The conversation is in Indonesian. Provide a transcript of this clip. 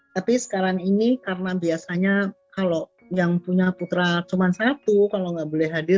tapi sekarang ini karena biasanya kalau yang punya putra cuma satu kalau nggak boleh hadir